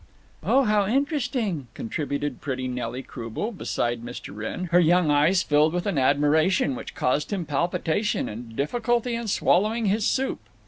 "Oh, how interesting!" contributed pretty Nelly Croubel, beside Mr. Wrenn, her young eyes filled with an admiration which caused him palpitation and difficulty in swallowing his soup.